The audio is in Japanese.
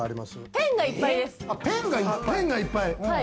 ペンがいっぱいです。